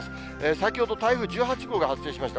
先ほど台風１８号が発生しました。